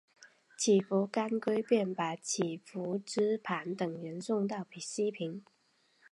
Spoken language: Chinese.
乞伏干归便把乞伏炽磐等人送到西平。